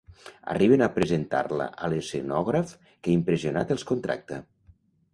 Arriben a presentar-la a l'escenògraf que, impressionat, els contracta.